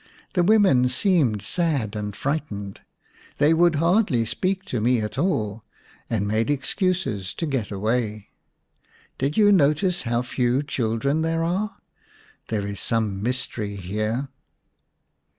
The women seem sad and frightened ; they would hardly speak to me at all, and made excuses to 100 ix The Serpent's Bride get away. Did you notice how few children there are ? There is some mystery here."